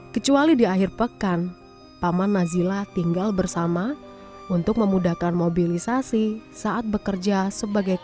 kecuali di akhir pekan paman nazila tinggal bersama untuk memudahkan mobilisasi saat bekerja sebagai